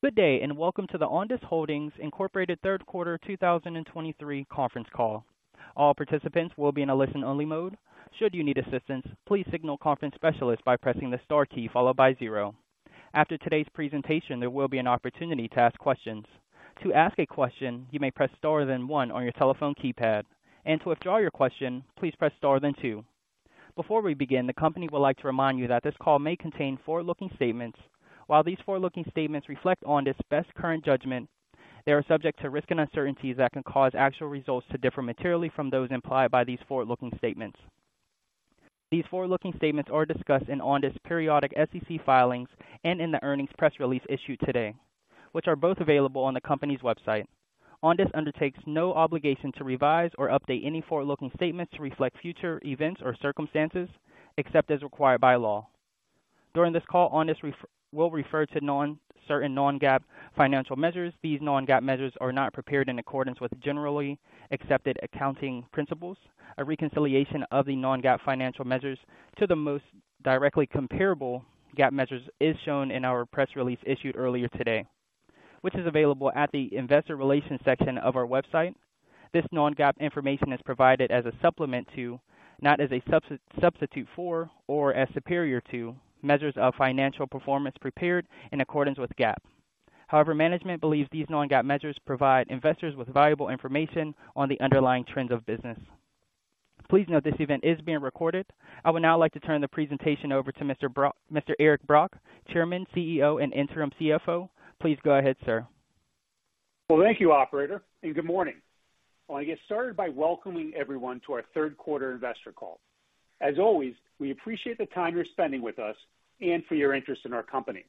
Good day, and welcome to the Ondas Holdings Incorporated Q3 2023 Conference Call. All participants will be in a listen-only mode. Should you need assistance, please signal conference specialist by pressing the star key followed by zero. After today's presentation, there will be an opportunity to ask questions. To ask a question, you may press star, then one on your telephone keypad, and to withdraw your question, please press star, then two. Before we begin, the company would like to remind you that this call may contain forward-looking statements. While these forward-looking statements reflect Ondas' best current judgment, they are subject to risks and uncertainties that can cause actual results to differ materially from those implied by these forward-looking statements. These forward-looking statements are discussed in Ondas' periodic SEC filings and in the earnings press release issued today, which are both available on the company's website. Ondas undertakes no obligation to revise or update any forward-looking statements to reflect future events or circumstances, except as required by law. During this call, Ondas will refer to certain non-GAAP financial measures. These non-GAAP measures are not prepared in accordance with generally accepted accounting principles. A reconciliation of the non-GAAP financial measures to the most directly comparable GAAP measures is shown in our press release issued earlier today, which is available at the investor relations section of our website. This non-GAAP information is provided as a supplement to, not as a substitute for, or as superior to, measures of financial performance prepared in accordance with GAAP. However, management believes these non-GAAP measures provide investors with valuable information on the underlying trends of business. Please note, this event is being recorded. I would now like to turn the presentation over to Mr. Brock. Eric Brock, Chairman, CEO, and Interim CFO. Please go ahead, sir. Well, thank you, operator, and good morning. I want to get started by welcoming everyone to our Q3 investor call. As always, we appreciate the time you're spending with us and for your interest in our company.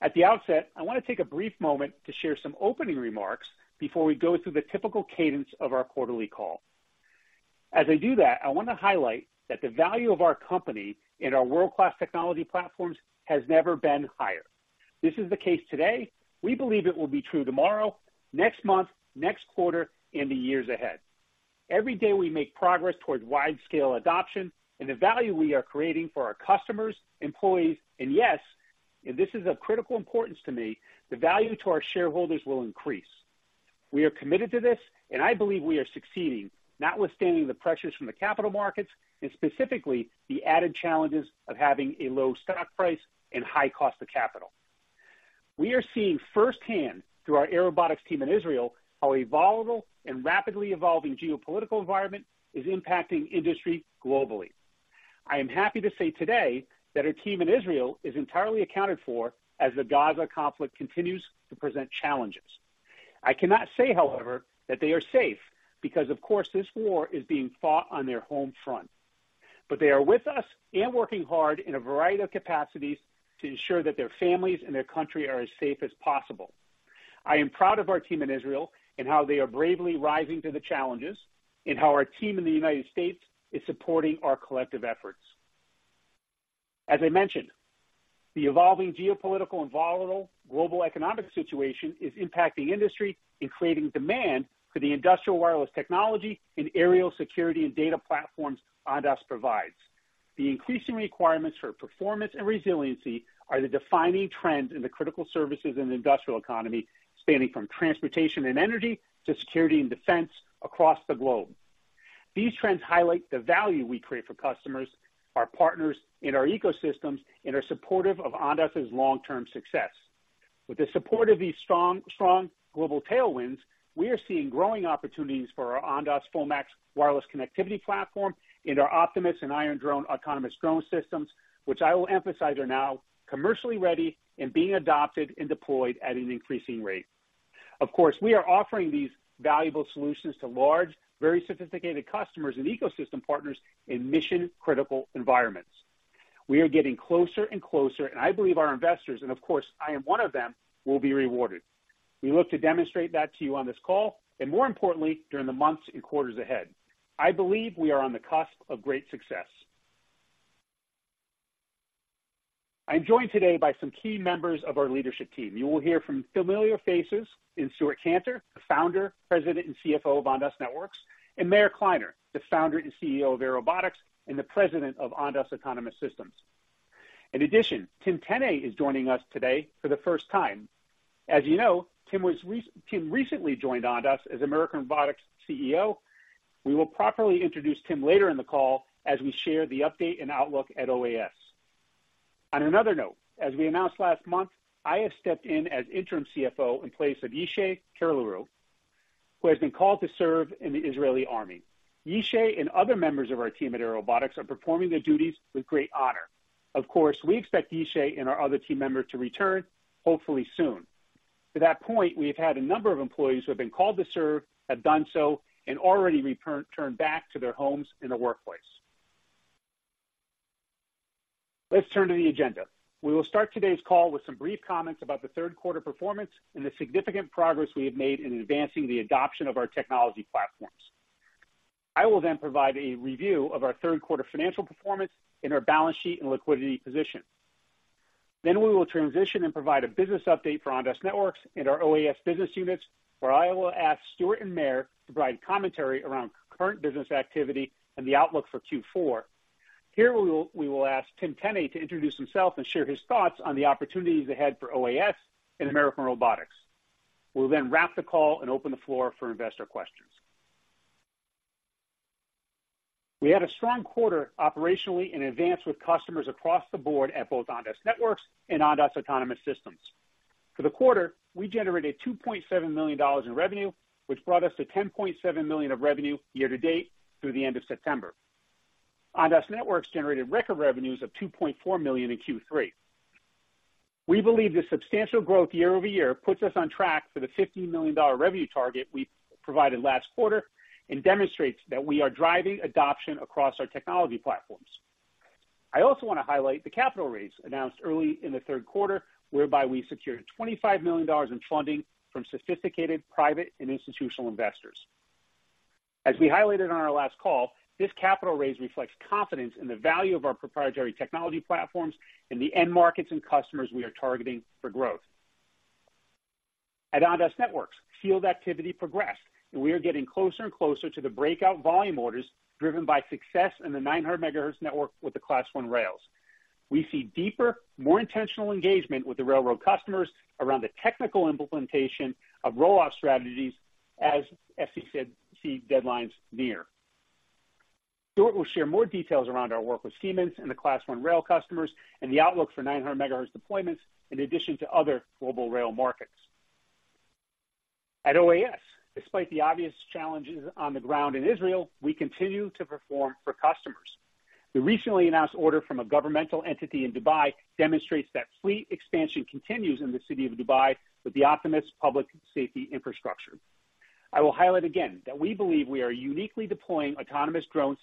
At the outset, I want to take a brief moment to share some opening remarks before we go through the typical cadence of our quarterly call. As I do that, I want to highlight that the value of our company in our world-class technology platforms has never been higher. This is the case today. We believe it will be true tomorrow, next month, next quarter, and the years ahead. Every day, we make progress toward widescale adoption and the value we are creating for our customers, employees, and yes, and this is of critical importance to me, the value to our shareholders will increase. We are committed to this, and I believe we are succeeding, notwithstanding the pressures from the capital markets and specifically the added challenges of having a low stock price and high cost of capital. We are seeing firsthand, through our Airobotics team in Israel, how a volatile and rapidly evolving geopolitical environment is impacting industry globally. I am happy to say today that our team in Israel is entirely accounted for as the Gaza conflict continues to present challenges. I cannot say, however, that they are safe because, of course, this war is being fought on their home front. But they are with us and working hard in a variety of capacities to ensure that their families and their country are as safe as possible. I am proud of our team in Israel and how they are bravely rising to the challenges and how our team in the United States is supporting our collective efforts. As I mentioned, the evolving geopolitical and volatile global economic situation is impacting industry and creating demand for the industrial wireless technology and aerial security and data platforms Ondas provides. The increasing requirements for performance and resiliency are the defining trends in the critical services and industrial economy, spanning from transportation and energy to security and defense across the globe. These trends highlight the value we create for customers, our partners, and our ecosystems, and are supportive of Ondas' long-term success. With the support of these strong, strong global tailwinds, we are seeing growing opportunities for our Ondas FullMAX wireless connectivity platform and our Optimus and Iron Drone autonomous drone systems, which I will emphasize are now commercially ready and being adopted and deployed at an increasing rate. Of course, we are offering these valuable solutions to large, very sophisticated customers and ecosystem partners in mission-critical environments. We are getting closer and closer, and I believe our investors, and of course, I am one of them, will be rewarded. We look to demonstrate that to you on this call, and more importantly, during the months and quarters ahead. I believe we are on the cusp of great success. I'm joined today by some key members of our leadership team. You will hear from familiar faces in Stewart Kantor, the founder, president, and CFO of Ondas Networks, and Meir Kliner, the founder and CEO of Airobotics, and the President of Ondas Autonomous Systems. In addition, Tim Tenne is joining us today for the first time. As you know, Tim recently joined Ondas as American Robotics CEO. We will properly introduce Tim later in the call as we share the update and outlook at OAS. On another note, as we announced last month, I have stepped in as interim CFO in place of Yishay Curelaru, who has been called to serve in the Israeli army. Yishay and other members of our team at Airobotics are performing their duties with great honor. Of course, we expect Yishay and our other team members to return, hopefully soon. To that point, we have had a number of employees who have been called to serve, have done so, and already returned back to their homes in the workplace. Let's turn to the agenda. We will start today's call with some brief comments about the Q3 performance and the significant progress we have made in advancing the adoption of our technology platforms. I will then provide a review of our Q3 financial performance and our balance sheet and liquidity position. Then we will transition and provide a business update for Ondas Networks and our OAS business units, where I will ask Stewart and Meir to provide commentary around current business activity and the outlook for Q4. Here, we will ask Tim Tenne to introduce himself and share his thoughts on the opportunities ahead for OAS and American Robotics. We'll then wrap the call and open the floor for investor questions. We had a strong quarter operationally in advance with customers across the board at both Ondas Networks and Ondas Autonomous Systems. For the quarter, we generated $2.7 million in revenue, which brought us to $10.7 million of revenue year-to-date through the end of September. Ondas Networks generated record revenues of $2.4 million in Q3. We believe the substantial growth year-over-year puts us on track for the $15 million revenue target we provided last quarter, and demonstrates that we are driving adoption across our technology platforms. I also want to highlight the capital raise announced early in the Q3, whereby we secured $25 million in funding from sophisticated private and institutional investors. As we highlighted on our last call, this capital raise reflects confidence in the value of our proprietary technology platforms and the end markets and customers we are targeting for growth. At Ondas Networks, field activity progressed, and we are getting closer and closer to the breakout volume orders, driven by success in the 900 MHz network with the Class One Rails. We see deeper, more intentional engagement with the railroad customers around the technical implementation of roll-out strategies as FCC deadlines near. Stewart will share more details around our work with Siemens and the Class One Rail customers and the outlook for 900 MHz deployments, in addition to other global rail markets. At OAS, despite the obvious challenges on the ground in Israel, we continue to perform for customers. The recently announced order from a governmental entity in Dubai demonstrates that fleet expansion continues in the city of Dubai with the Optimus public safety infrastructure. I will highlight again that we believe we are uniquely deploying autonomous drone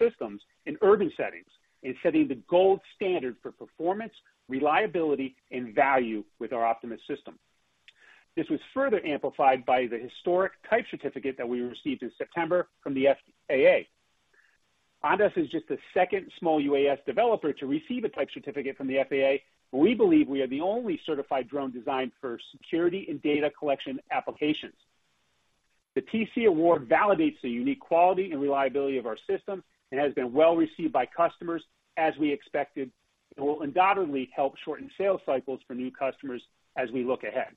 systems in urban settings and setting the gold standard for performance, reliability, and value with our Optimus system. This was further amplified by the historic type certificate that we received in September from the FAA. Ondas is just the second small UAS developer to receive a type certificate from the FAA. We believe we are the only certified drone designed for security and data collection applications. The TC award validates the unique quality and reliability of our system and has been well received by customers, as we expected, and will undoubtedly help shorten sales cycles for new customers as we look ahead.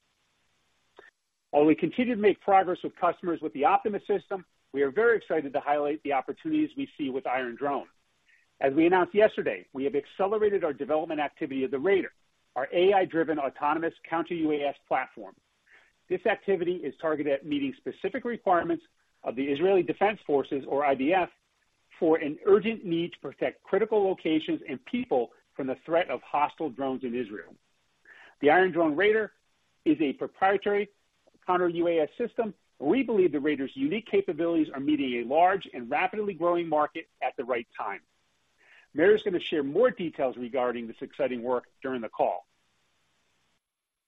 While we continue to make progress with customers with the Optimus system, we are very excited to highlight the opportunities we see with Iron Drone. As we announced yesterday, we have accelerated our development activity of the Raider, our AI-driven, autonomous counter UAS platform. This activity is targeted at meeting specific requirements of the Israeli Defense Forces, or IDF, for an urgent need to protect critical locations and people from the threat of hostile drones in Israel. The Iron Drone Raider is a proprietary counter UAS system. We believe the Raider's unique capabilities are meeting a large and rapidly growing market at the right time. Meir's going to share more details regarding this exciting work during the call.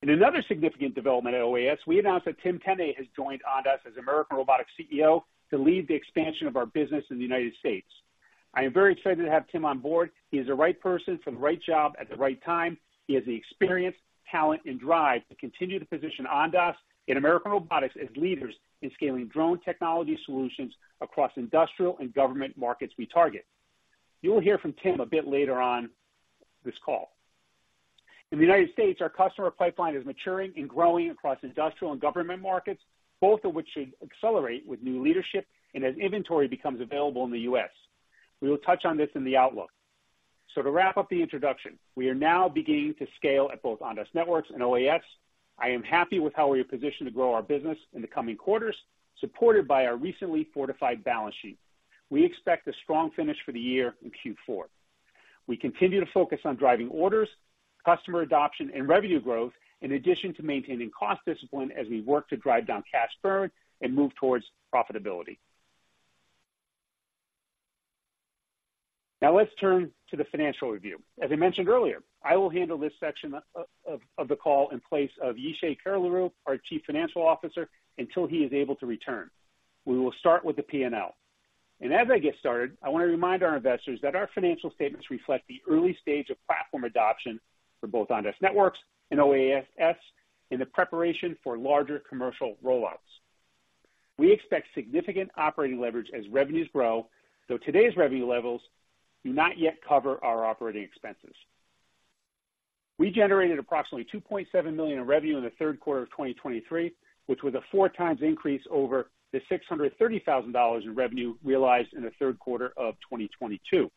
In another significant development at OAS, we announced that Tim Tenne has joined Ondas as American Robotics CEO to lead the expansion of our business in the United States. I am very excited to have Tim on board. He is the right person for the right job at the right time. He has the experience, talent and drive to continue to position Ondas and American Robotics as leaders in scaling drone technology solutions across industrial and government markets we target. You will hear from Tim a bit later on this call. In the United States, our customer pipeline is maturing and growing across industrial and government markets, both of which should accelerate with new leadership and as inventory becomes available in the U.S. We will touch on this in the outlook. To wrap up the introduction, we are now beginning to scale at both Ondas Networks and OAS. I am happy with how we are positioned to grow our business in the coming quarters, supported by our recently fortified balance sheet. We expect a strong finish for the year in Q4. We continue to focus on driving orders, customer adoption, and revenue growth, in addition to maintaining cost discipline as we work to drive down cash burn and move towards profitability. Now, let's turn to the financial review. As I mentioned earlier, I will handle this section of the call in place of Yishay Curelaru, our Chief Financial Officer, until he is able to return. We will start with the P&L. As I get started, I want to remind our investors that our financial statements reflect the early stage of platform adoption for both Ondas Networks and OAS, in the preparation for larger commercial rollouts. We expect significant operating leverage as revenues grow, though today's revenue levels do not yet cover our operating expenses. We generated approximately $2.7 million in revenue in the Q3 of 2023, which was a 4x increase over the $630,000 in revenue realized in the Q3 of 2022.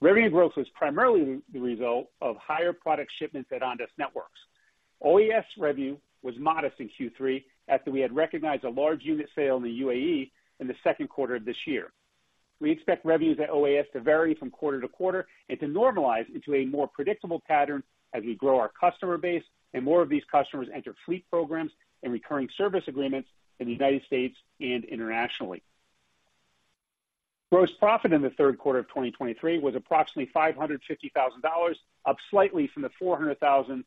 Revenue growth was primarily the result of higher product shipments at Ondas Networks. OAS revenue was modest in Q3 after we had recognized a large unit sale in the UAE in the Q2 of this year. We expect revenues at OAS to vary from quarter-to-quarter and to normalize into a more predictable pattern as we grow our customer base and more of these customers enter fleet programs and recurring service agreements in the United States and internationally. Gross profit in the Q3 of 2023 was approximately $550,000, up slightly from the $400,000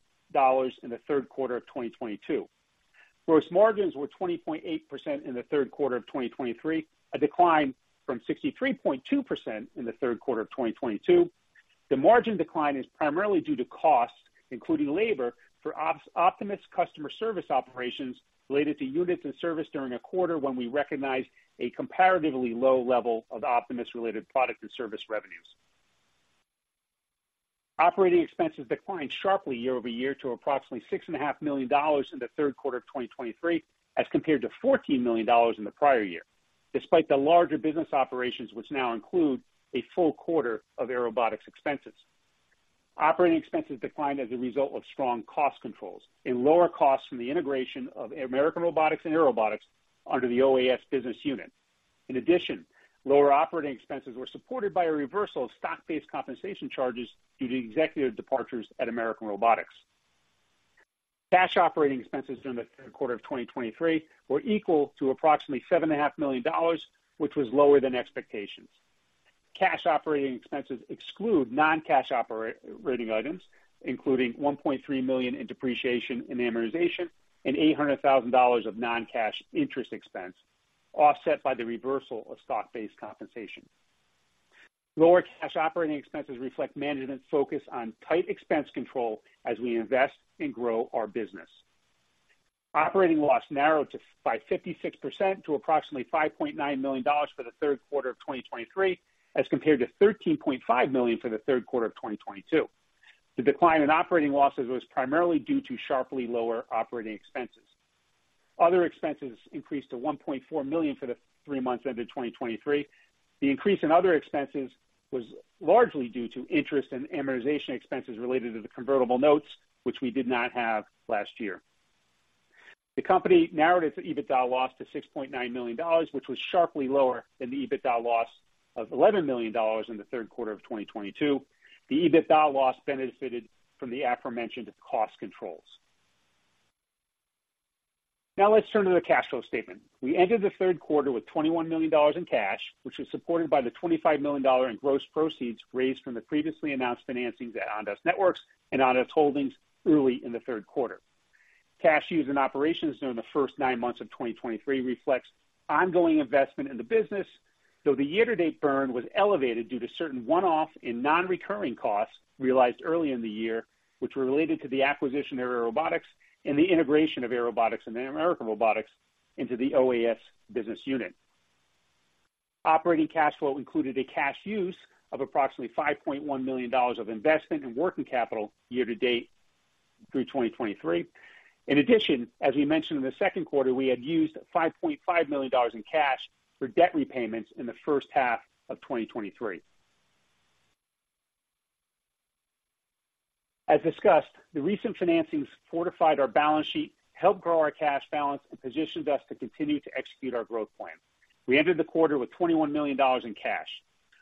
in the Q3 of 2022. Gross margins were 20.8% in the Q3 of 2023, a decline from 63.2% in the Q3 of 2022. The margin decline is primarily due to costs, including labor, for Optimus customer service operations related to units and service during a quarter when we recognized a comparatively low level of Optimus-related product and service revenues. Operating expenses declined sharply year-over-year to approximately $6.5 million in the Q3 of 2023, as compared to $14 million in the prior year, despite the larger business operations, which now include a full quarter of Airobotics expenses. Operating expenses declined as a result of strong cost controls and lower costs from the integration of American Robotics and Airobotics under the OAS business unit. In addition, lower operating expenses were supported by a reversal of stock-based compensation charges due to executive departures at American Robotics. Cash operating expenses during the Q3 of 2023 were equal to approximately $7.5 million, which was lower than expectations. Cash operating expenses exclude non-cash operating items, including $1.3 million in depreciation and amortization, and $800,000 of non-cash interest expense, offset by the reversal of stock-based compensation. Lower cash operating expenses reflect management's focus on tight expense control as we invest and grow our business. Operating loss narrowed by 56% to approximately $5.9 million for the Q3 of 2023, as compared to $13.5 million for the Q3 of 2022. The decline in operating losses was primarily due to sharply lower operating expenses. Other expenses increased to $1.4 million for the three months ended 2023. The increase in other expenses was largely due to interest and amortization expenses related to the convertible notes, which we did not have last year. The company narrowed its EBITDA loss to $6.9 million, which was sharply lower than the EBITDA loss of $11 million in the Q3 of 2022. The EBITDA loss benefited from the aforementioned cost controls. Now let's turn to the cash flow statement. We entered the Q3 with $21 million in cash, which was supported by the $25 million in gross proceeds raised from the previously announced financings at Ondas Networks and Ondas Holdings early in the Q3. Cash used in operations during the first nine months of 2023 reflects ongoing investment in the business, though the year-to-date burn was elevated due to certain one-off and non-recurring costs realized early in the year, which were related to the acquisition of Airobotics and the integration of Airobotics and American Robotics into the OAS business unit. Operating cash flow included a cash use of approximately $5.1 million of investment and working capital year to date through 2023. In addition, as we mentioned in the Q2, we had used $5.5 million in cash for debt repayments in the first half of 2023. As discussed, the recent financings fortified our balance sheet, helped grow our cash balance, and positioned us to continue to execute our growth plan. We entered the quarter with $21 million in cash.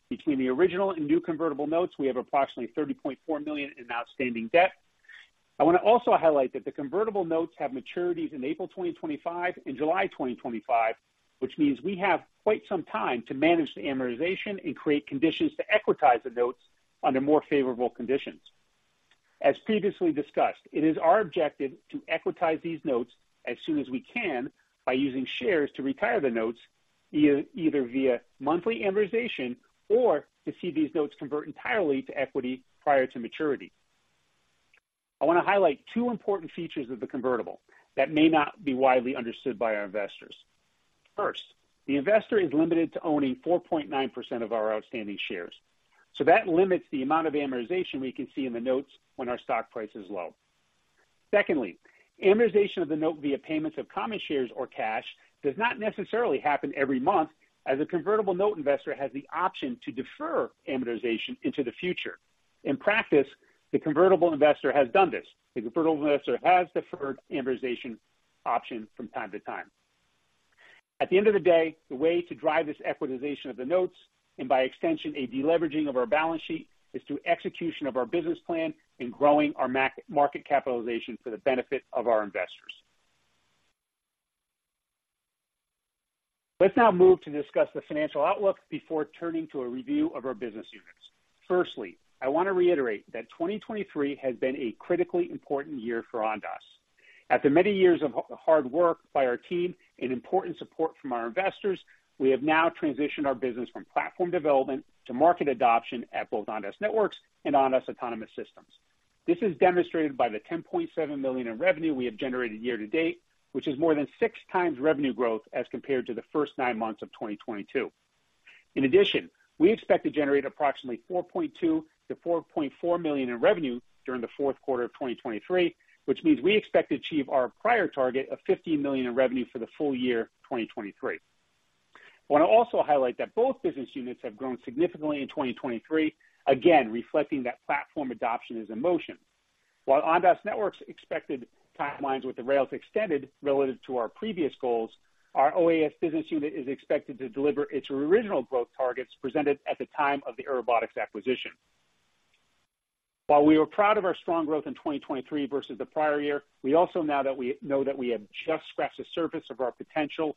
Between the original and new convertible notes, we have approximately $30.4 million in outstanding debt. I want to also highlight that the convertible notes have maturities in April 2025 and July 2025, which means we have quite some time to manage the amortization and create conditions to equitize the notes under more favorable conditions. As previously discussed, it is our objective to equitize these notes as soon as we can by using shares to retire the notes, either via monthly amortization or to see these notes convert entirely to equity prior to maturity. I want to highlight two important features of the convertible that may not be widely understood by our investors. First, the investor is limited to owning 4.9% of our outstanding shares, so that limits the amount of amortization we can see in the notes when our stock price is low. Secondly, amortization of the note via payments of common shares or cash does not necessarily happen every month, as a convertible note investor has the option to defer amortization into the future. In practice, the convertible investor has done this. The convertible investor has deferred amortization option from time to time. At the end of the day, the way to drive this equitization of the notes, and by extension, a deleveraging of our balance sheet, is through execution of our business plan and growing our market capitalization for the benefit of our investors. Let's now move to discuss the financial outlook before turning to a review of our business units. Firstly, I want to reiterate that 2023 has been a critically important year for Ondas. After many years of hard work by our team and important support from our investors, we have now transitioned our business from platform development to market adoption at both Ondas Networks and Ondas Autonomous Systems. This is demonstrated by the $10.7 million in revenue we have generated year to date, which is more than 6 times revenue growth as compared to the first nine months of 2022. In addition, we expect to generate approximately $4.2-$4.4 million in revenue during the Q4 of 2023, which means we expect to achieve our prior target of $15 million in revenue for the full year 2023. I want to also highlight that both business units have grown significantly in 2023, again, reflecting that platform adoption is in motion. While Ondas Networks expected timelines with the rails extended relative to our previous goals, our OAS business unit is expected to deliver its original growth targets presented at the time of the Airobotics acquisition. While we are proud of our strong growth in 2023 versus the prior year, we also know that we have just scratched the surface of our potential.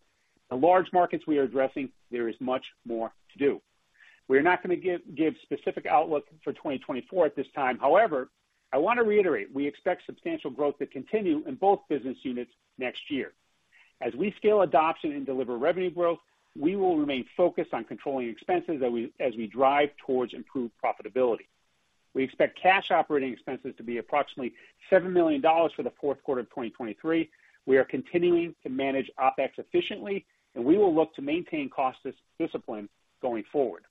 The large markets we are addressing, there is much more to do. We're not going to give specific outlook for 2024 at this time. However, I want to reiterate, we expect substantial growth to continue in both business units next year. As we scale adoption and deliver revenue growth, we will remain focused on controlling expenses as we, as we drive towards improved profitability. We expect cash operating expenses to be approximately $7 million for the Q4 of 2023. We are continuing to manage OpEx efficiently, and we will look to maintain cost discipline going forward.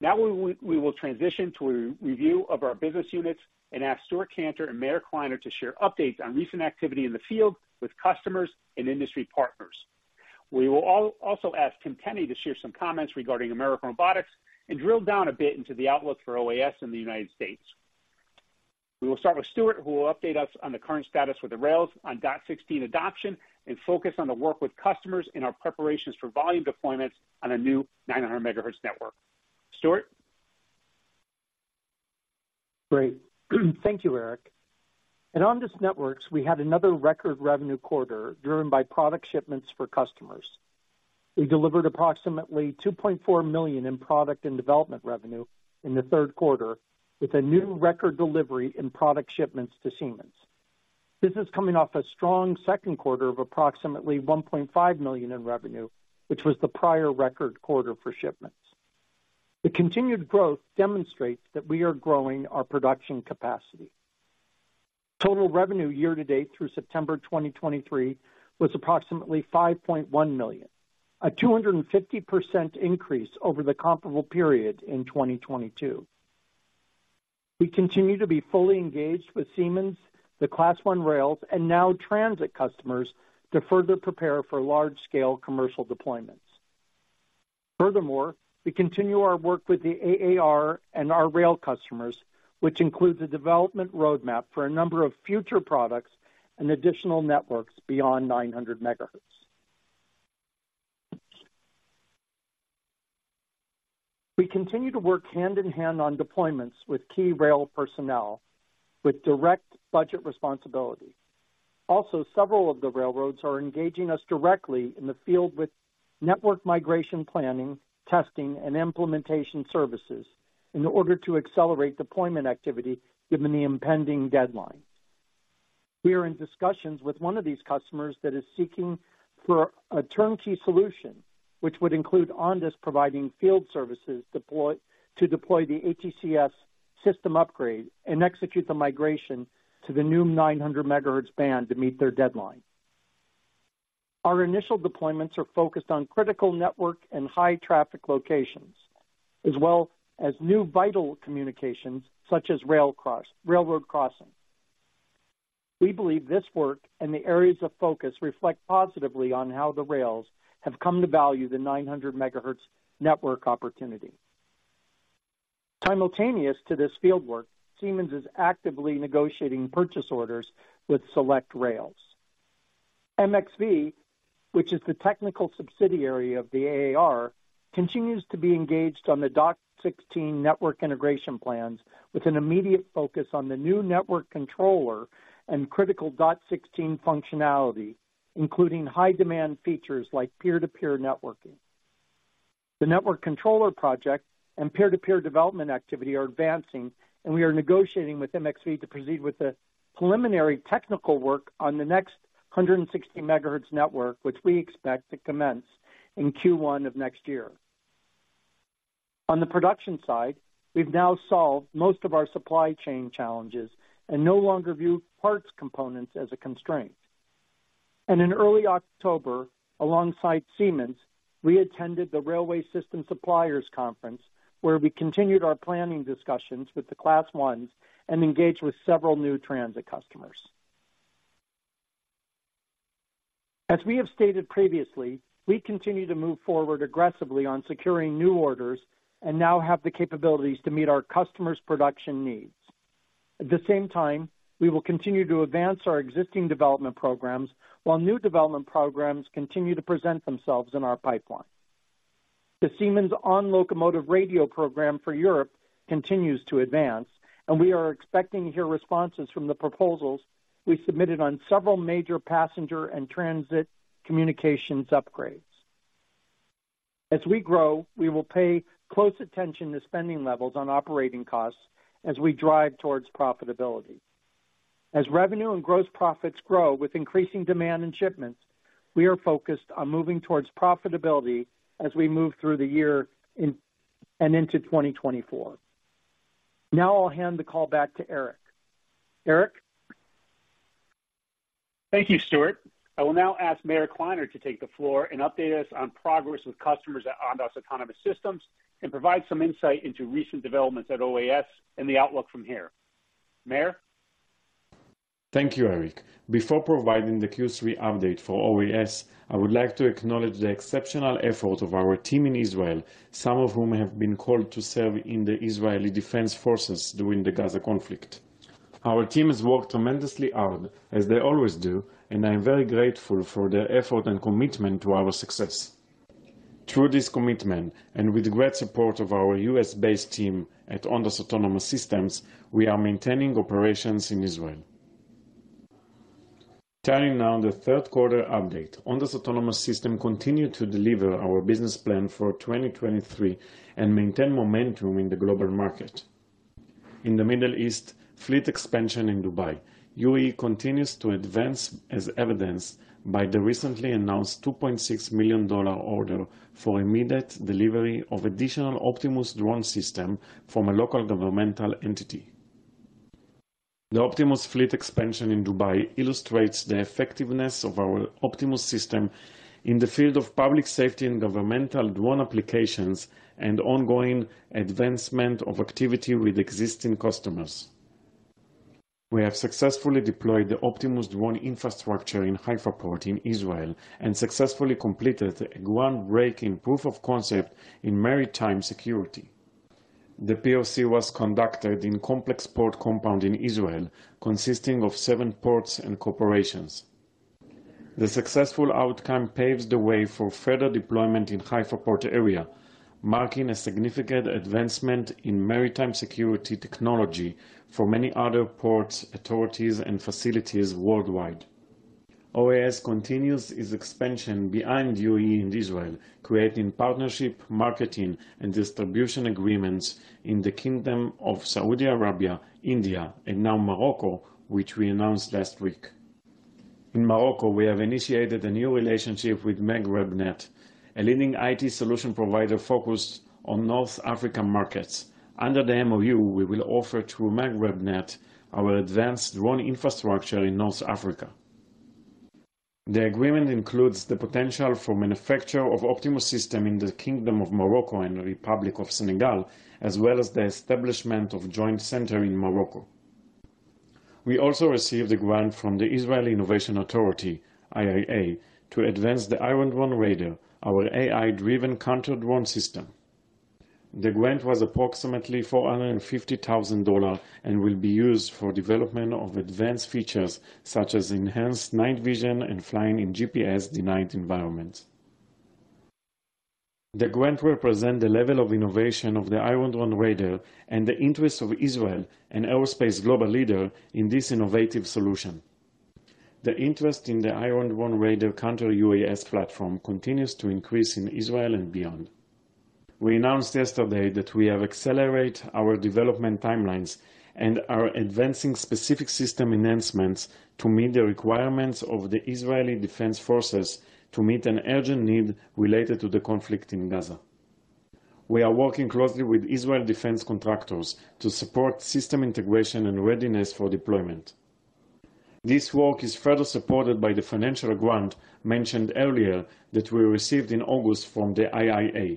Now we will, we will transition to a review of our business units and ask Stewart Kantor and Meir Kliner to share updates on recent activity in the field with customers and industry partners. We will also ask Tim Tenne to share some comments regarding American Robotics and drill down a bit into the outlook for OAS in the United States. We will start with Stewart, who will update us on the current status with the rails on dot16 adoption and focus on the work with customers in our preparations for volume deployments on a new 900 MHz network. Stewart? Great. Thank you, Eric. At Ondas Networks, we had another record revenue quarter, driven by product shipments for customers. We delivered approximately $2.4 million in product and development revenue in the Q3, with a new record delivery in product shipments to Siemens. This is coming off a strong Q2 of approximately $1.5 million in revenue, which was the prior record quarter for shipments. The continued growth demonstrates that we are growing our production capacity. Total revenue year-to-date through September 2023 was approximately $5.1 million, a 250% increase over the comparable period in 2022. We continue to be fully engaged with Siemens, the Class One Rails, and now transit customers to further prepare for large-scale commercial deployments. Furthermore, we continue our work with the AAR and our rail customers, which includes a development roadmap for a number of future products and additional networks beyond 900 megahertz. We continue to work hand-in-hand on deployments with key rail personnel with direct budget responsibility. Also, several of the railroads are engaging us directly in the field with network migration planning, testing, and implementation services in order to accelerate deployment activity given the impending deadline. We are in discussions with one of these customers that is seeking for a turnkey solution, which would include Ondas providing field services deploy the ATCS system upgrade and execute the migration to the new 900 megahertz band to meet their deadline. Our initial deployments are focused on critical network and high traffic locations, as well as new vital communications, such as railroad crossing. We believe this work and the areas of focus reflect positively on how the rails have come to value the 900 MHz network opportunity. Simultaneous to this field work, Siemens is actively negotiating purchase orders with select rails. MxV, which is the technical subsidiary of the AAR, continues to be engaged on the DOT-16 network integration plans with an immediate focus on the new network controller and critical DOT-16 functionality, including high-demand features like peer-to-peer networking. The network controller project and peer-to-peer development activity are advancing, and we are negotiating with MxV to proceed with the preliminary technical work on the next 160 MHz network, which we expect to commence in Q1 of next year. On the production side, we've now solved most of our supply chain challenges and no longer view parts components as a constraint. In early October, alongside Siemens, we attended the Railway System Suppliers Conference, where we continued our planning discussions with the Class Ones and engaged with several new transit customers. As we have stated previously, we continue to move forward aggressively on securing new orders and now have the capabilities to meet our customers' production needs. At the same time, we will continue to advance our existing development programs, while new development programs continue to present themselves in our pipeline. The Siemens On-Locomotive Radio program for Europe continues to advance, and we are expecting to hear responses from the proposals we submitted on several major passenger and transit communications upgrades. As we grow, we will pay close attention to spending levels on operating costs as we drive towards profitability. As revenue and gross profits grow with increasing demand and shipments, we are focused on moving towards profitability as we move through the year in, and into 2024. Now I'll hand the call back to Eric. Eric? Thank you, Stewart. I will now ask Meir Kliner to take the floor and update us on progress with customers at Ondas Autonomous Systems and provide some insight into recent developments at OAS and the outlook from here. Meir? Thank you, Eric. Before providing the Q3 update for OAS, I would like to acknowledge the exceptional effort of our team in Israel, some of whom have been called to serve in the Israeli Defense Forces during the Gaza conflict. Our team has worked tremendously hard, as they always do, and I am very grateful for their effort and commitment to our success. Through this commitment, and with the great support of our U.S.-based team at Ondas Autonomous Systems, we are maintaining operations in Israel. Turning now to the Q3 update. Ondas Autonomous Systems continued to deliver our business plan for 2023 and maintain momentum in the global market. In the Middle East, fleet expansion in Dubai, UAE continues to advance as evidenced by the recently announced $2.6 million order for immediate delivery of additional Optimus drone system from a local governmental entity. The Optimus fleet expansion in Dubai illustrates the effectiveness of our Optimus system in the field of public safety and governmental drone applications and ongoing advancement of activity with existing customers. We have successfully deployed the Optimus drone infrastructure in Haifa Port in Israel, and successfully completed one break-in proof of concept in maritime security. The POC was conducted in complex port compound in Israel, consisting of seven ports and corporations. The successful outcome paves the way for further deployment in Haifa Port area, marking a significant advancement in maritime security technology for many other ports, authorities, and facilities worldwide. OAS continues its expansion behind UAE and Israel, creating partnership, marketing, and distribution agreements in the Kingdom of Saudi Arabia, India, and now Morocco, which we announced last week. In Morocco, we have initiated a new relationship with MaghrebNet, a leading IT solution provider focused on North African markets. Under the MoU, we will offer through MaghrebNet, our advanced drone infrastructure in North Africa. The agreement includes the potential for manufacture of Optimus System in the Kingdom of Morocco and the Republic of Senegal, as well as the establishment of joint center in Morocco. We also received a grant from the Israeli Innovation Authority, IIA, to advance the Iron Drone Raider, our AI-driven counter-drone system. The grant was approximately $450,000 and will be used for development of advanced features such as enhanced night vision and flying in GPS-denied environments. The grant represent the level of innovation of the Iron Drone Raider and the interest of Israel, an aerospace global leader, in this innovative solution. The interest in the Iron Drone Raider counter-UAS platform continues to increase in Israel and beyond. We announced yesterday that we have accelerated our development timelines and are advancing specific system enhancements to meet the requirements of the Israeli Defense Forces to meet an urgent need related to the conflict in Gaza. We are working closely with Israeli defense contractors to support system integration and readiness for deployment. This work is further supported by the financial grant mentioned earlier that we received in August from the IIA.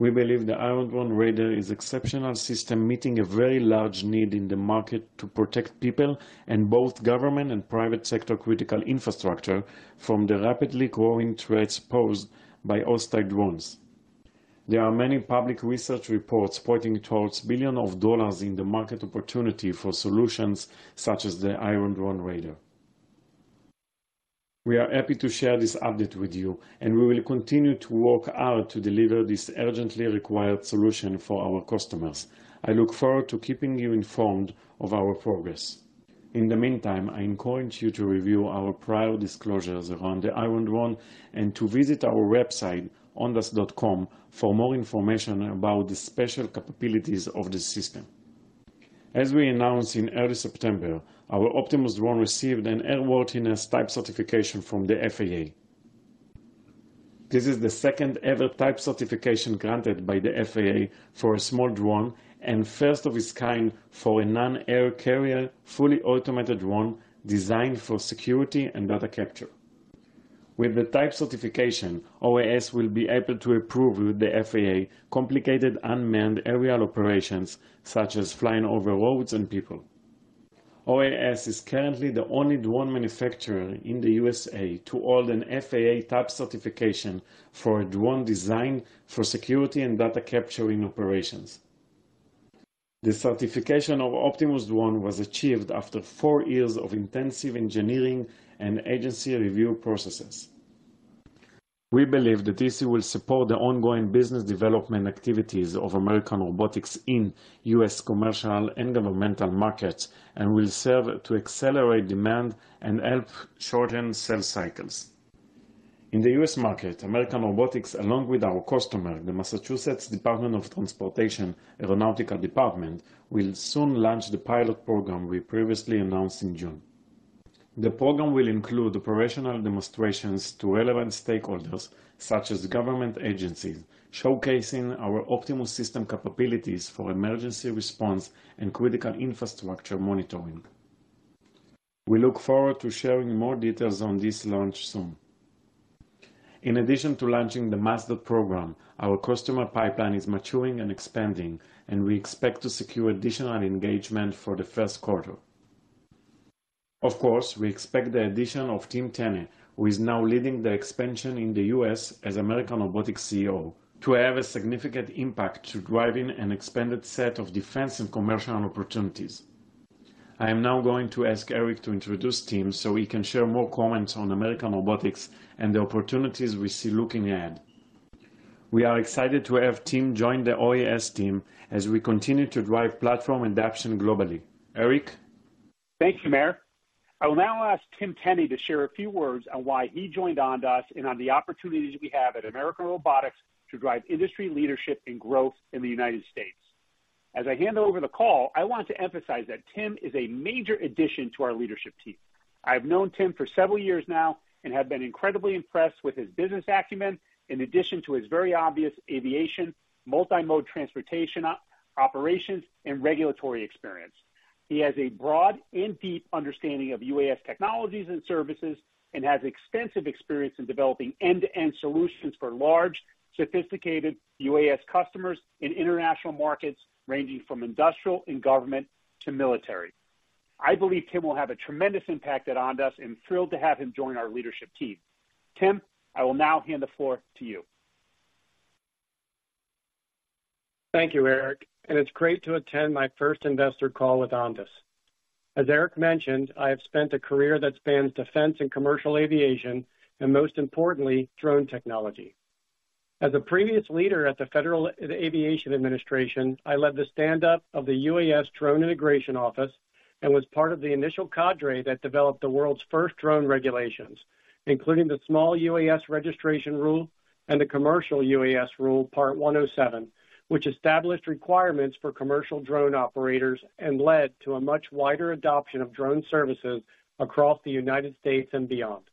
We believe the Iron Drone Raider is exceptional system, meeting a very large need in the market to protect people and both government and private sector critical infrastructure from the rapidly growing threats posed by hostile drones. There are many public research reports pointing towards billions of dollars in the market opportunity for solutions such as the Iron Drone Raider. We are happy to share this update with you, and we will continue to work hard to deliver this urgently required solution for our customers. I look forward to keeping you informed of our progress. In the meantime, I encourage you to review our prior disclosures around the Iron Drone and to visit our website, ondas.com, for more information about the special capabilities of the system. As we announced in early September, our Optimus Drone received an airworthiness type certification from the FAA. This is the second-ever type certification granted by the FAA for a small drone, and first of its kind for a non-air carrier, fully automated drone designed for security and data capture. With the type certification, OAS will be able to approve with the FAA complicated unmanned aerial operations, such as flying over roads and people. OAS is currently the only drone manufacturer in the USA to hold an FAA type certification for a drone designed for security and data capturing operations. The certification of Optimus Drone was achieved after four years of intensive engineering and agency review processes. We believe that this will support the ongoing business development activities of American Robotics in US commercial and governmental markets, and will serve to accelerate demand and help shorten sales cycles. In the US market, American Robotics, along with our customer, the Massachusetts Department of Transportation Aeronautical Department, will soon launch the pilot program we previously announced in June. The program will include operational demonstrations to relevant stakeholders, such as government agencies, showcasing our Optimus System capabilities for emergency response and critical infrastructure monitoring. We look forward to sharing more details on this launch soon. In addition to launching the MassDOT program, our customer pipeline is maturing and expanding, and we expect to secure additional engagement for the Q1. Of course, we expect the addition of Tim Tenne, who is now leading the expansion in the U.S. as American Robotics CEO, to have a significant impact to driving an expanded set of defense and commercial opportunities. I am now going to ask Eric to introduce Tim, so he can share more comments on American Robotics and the opportunities we see looking ahead. We are excited to have Tim join the OAS team as we continue to drive platform adoption globally. Eric? Thank you, Meir. I will now ask Tim Tenne to share a few words on why he joined Ondas and on the opportunities we have at American Robotics to drive industry leadership and growth in the United States. As I hand over the call, I want to emphasize that Tim is a major addition to our leadership team. I've known Tim for several years now and have been incredibly impressed with his business acumen, in addition to his very obvious aviation, multi-mode transportation, operations, and regulatory experience. He has a broad and deep understanding of UAS technologies and services and has extensive experience in developing end-to-end solutions for large, sophisticated UAS customers in international markets, ranging from industrial and government to military. I believe Tim will have a tremendous impact at Ondas and thrilled to have him join our leadership team. Tim, I will now hand the floor to you. Thank you, Eric, and it's great to attend my first investor call with Ondas. As Eric mentioned, I have spent a career that spans defense and commercial aviation, and most importantly, drone technology. As a previous leader at the Federal Aviation Administration, I led the stand-up of the UAS Drone Integration Office and was part of the initial cadre that developed the world's first drone regulations, including the small UAS registration rule and the commercial UAS rule, Part 107, which established requirements for commercial drone operators and led to a much wider adoption of drone services across the United States and beyond.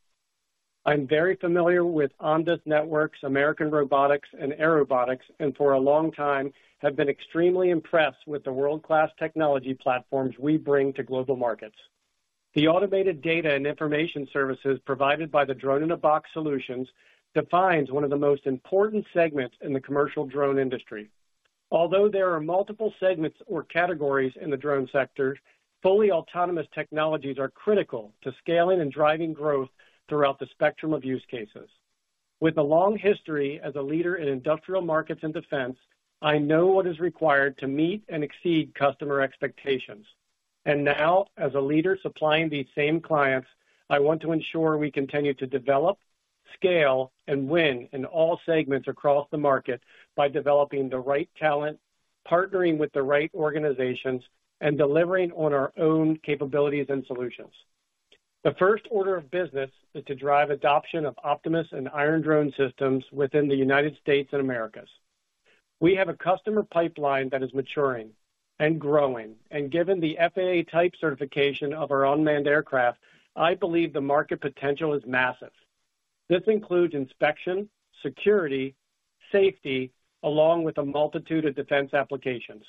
I'm very familiar with Ondas Networks, American Robotics, and Airobotics, and for a long time have been extremely impressed with the world-class technology platforms we bring to global markets. The automated data and information services provided by the Drone-in-a-Box solutions defines one of the most important segments in the commercial drone industry. Although there are multiple segments or categories in the drone sector, fully autonomous technologies are critical to scaling and driving growth throughout the spectrum of use cases. With a long history as a leader in industrial markets and defense, I know what is required to meet and exceed customer expectations, and now, as a leader supplying these same clients, I want to ensure we continue to develop, scale, and win in all segments across the market by developing the right talent, partnering with the right organizations, and delivering on our own capabilities and solutions. The first order of business is to drive adoption of Optimus and Iron Drone systems within the United States and Americas. We have a customer pipeline that is maturing and growing, and given the FAA type certification of our unmanned aircraft, I believe the market potential is massive. This includes inspection, security, safety, along with a multitude of defense applications.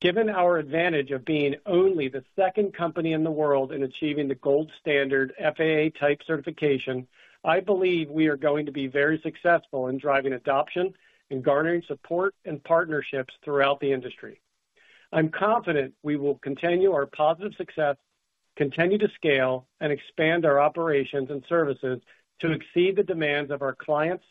Given our advantage of being only the second company in the world in achieving the gold standard FAA type certification, I believe we are going to be very successful in driving adoption and garnering support and partnerships throughout the industry. I'm confident we will continue our positive success, continue to scale and expand our operations and services to exceed the demands of our clients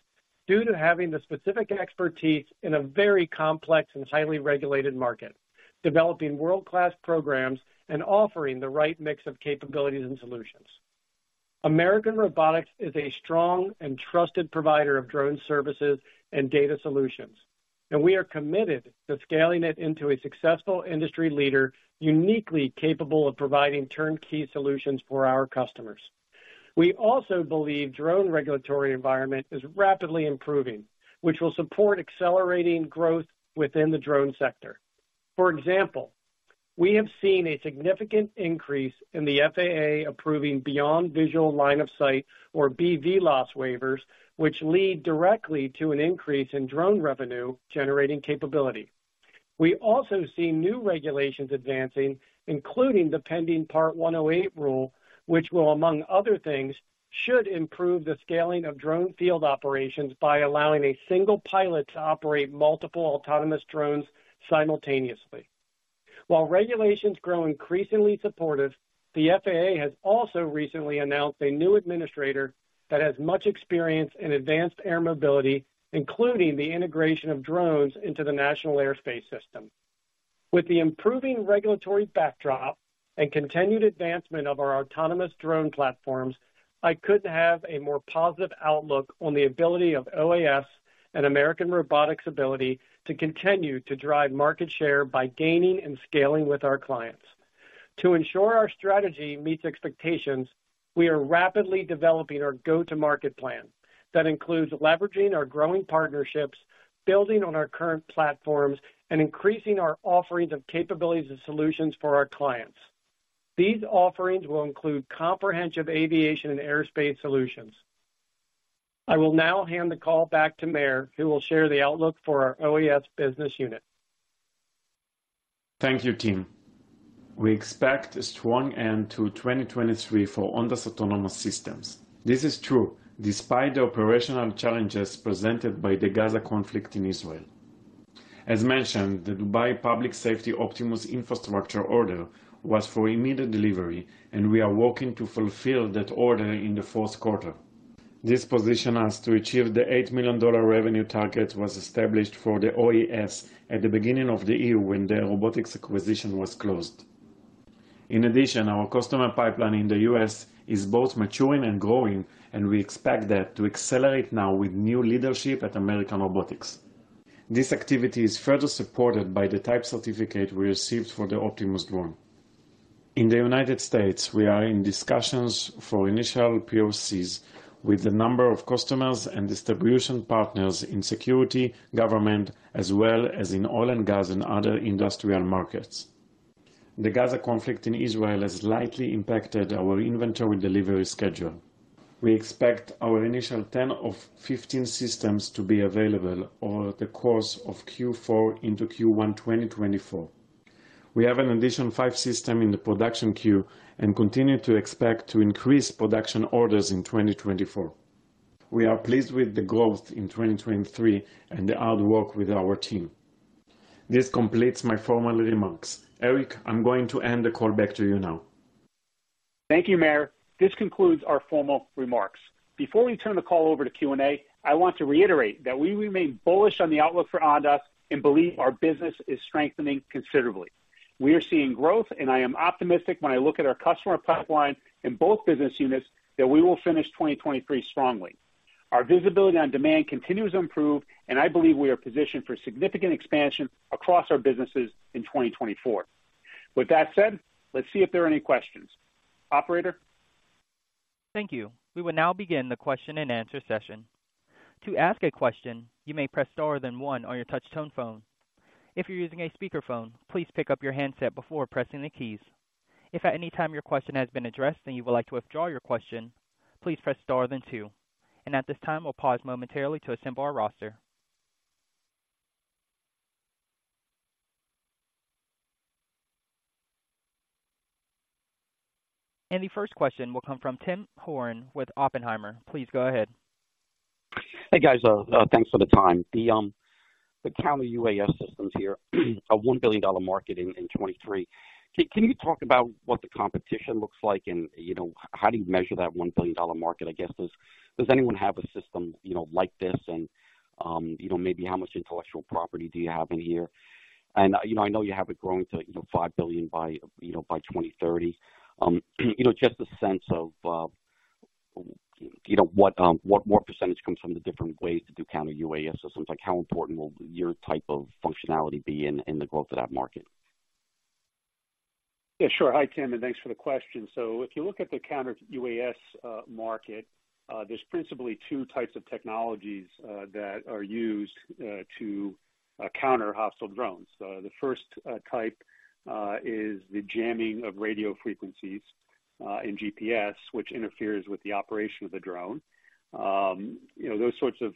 due to having the specific expertise in a very complex and highly regulated market, developing world-class programs and offering the right mix of capabilities and solutions. American Robotics is a strong and trusted provider of drone services and data solutions, and we are committed to scaling it into a successful industry leader, uniquely capable of providing turnkey solutions for our customers. We also believe drone regulatory environment is rapidly improving, which will support accelerating growth within the drone sector. For example, we have seen a significant increase in the FAA approving Beyond Visual Line of Sight, or BVLOS waivers, which lead directly to an increase in drone revenue generating capability. We also see new regulations advancing, including the pending Part 108 rule, which will, among other things, should improve the scaling of drone field operations by allowing a single pilot to operate multiple autonomous drones simultaneously. While regulations grow increasingly supportive, the FAA has also recently announced a new administrator that has much experience in advanced air mobility, including the integration of drones into the National Airspace System. With the improving regulatory backdrop and continued advancement of our autonomous drone platforms, I couldn't have a more positive outlook on the ability of OAS and American Robotics' ability to continue to drive market share by gaining and scaling with our clients. To ensure our strategy meets expectations, we are rapidly developing our go-to-market plan. That includes leveraging our growing partnerships, building on our current platforms, and increasing our offerings of capabilities and solutions for our clients. These offerings will include comprehensive aviation and airspace solutions. I will now hand the call back to Meir, who will share the outlook for our OAS business unit. Thank you, Tim. We expect a strong end to 2023 for Ondas Autonomous Systems. This is true despite the operational challenges presented by the Gaza conflict in Israel. As mentioned, the Dubai Public Safety Optimus infrastructure order was for immediate delivery, and we are working to fulfill that order in the Q4. This position us to achieve the $8 million revenue target was established for the OAS at the beginning of the year when the robotics acquisition was closed. In addition, our customer pipeline in the U.S. is both maturing and growing, and we expect that to accelerate now with new leadership at American Robotics.... This activity is further supported by the type certificate we received for the Optimus drone. In the United States, we are in discussions for initial POCs with a number of customers and distribution partners in security, government, as well as in oil and gas and other industrial markets. The Gaza conflict in Israel has slightly impacted our inventory delivery schedule. We expect our initial 10 of 15 systems to be available over the course of Q4 into Q1, 2024. We have an additional 5 systems in the production queue and continue to expect to increase production orders in 2024. We are pleased with the growth in 2023 and the hard work with our team. This completes my formal remarks. Eric, I'm going to hand the call back to you now. Thank you, Meir. This concludes our formal remarks. Before we turn the call over to Q&A, I want to reiterate that we remain bullish on the outlook for Ondas and believe our business is strengthening considerably. We are seeing growth, and I am optimistic when I look at our customer pipeline in both business units, that we will finish 2023 strongly. Our visibility on demand continues to improve, and I believe we are positioned for significant expansion across our businesses in 2024. With that said, let's see if there are any questions. Operator? Thank you. We will now begin the question-and-answer session. To ask a question, you may press star then one on your touch tone phone. If you're using a speakerphone, please pick up your handset before pressing the keys. If at any time your question has been addressed and you would like to withdraw your question, please press star then two. At this time, we'll pause momentarily to assemble our roster. The first question will come from Tim Horan with Oppenheimer. Please go ahead. Hey, guys, thanks for the time. The counter-UAS systems here, a $1 billion market in 2023. Can you talk about what the competition looks like and, you know, how do you measure that $1 billion market? I guess, does anyone have a system, you know, like this? And, you know, maybe how much intellectual property do you have in here? And, you know, I know you have it growing to, you know, $5 billion by, you know, by 2030. You know, just a sense of, you know, what, what percentage comes from the different ways to do counter-UAS systems? Like, how important will your type of functionality be in, in the growth of that market? Yeah, sure. Hi, Tim, and thanks for the question. So if you look at the counter-UAS market, there's principally two types of technologies that are used to counter hostile drones. The first type is the jamming of radio frequencies in GPS, which interferes with the operation of the drone. You know, those sorts of